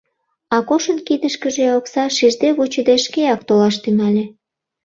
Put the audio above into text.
Акошын кидышкыже окса шижде-вучыде шкеак толаш тӱҥале.